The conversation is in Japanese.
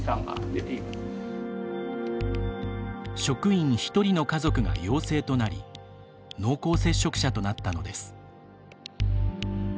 職員１人の家族が陽性となり濃厚接触者となったのです。